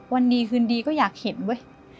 วันิคืนดีก็อยากเห็นอ้วย